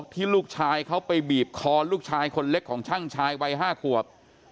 ที่ลูกชายเขาไปบีบคอลูกชายคนเล็กของช่างชายวัย๕ขวบ